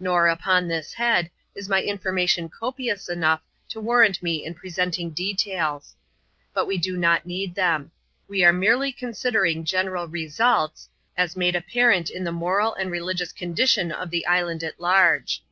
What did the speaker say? Nor, upon this head, is my information copious enough to warrant me in presenting details. But we do not need them. We are merely considering general results, as made apparent in the moral and religious condition of the island at large.